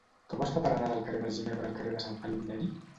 Com es fa per anar del carrer de Ginebra al carrer de Sant Felip Neri?